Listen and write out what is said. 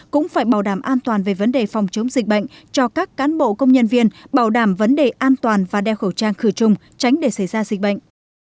cũng phải bảo đảm an toàn về vấn đề phòng chống dịch bệnh cho các cán bộ công nhân viên bảo đảm vấn đề an toàn và đeo khẩu trang khử trùng tránh để xảy ra dịch bệnh